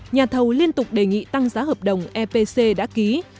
nhà thầu liên tục đề nghị tăng giá hợp đồng epc đã ký